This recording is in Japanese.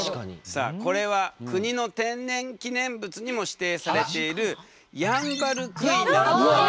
さあこれは国の天然記念物にも指定されているヤンバルクイナの羽根。